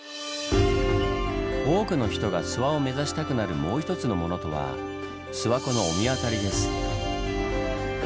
多くの人が諏訪を目指したくなるもう一つのものとは諏訪湖の御神渡りです。